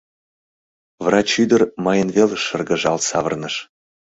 Врач ӱдыр мыйын велыш шыргыжал савырныш.